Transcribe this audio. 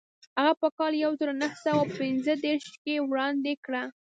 هغه په کال یو زر نهه سوه پنځه دېرش کې وړاندې کړه.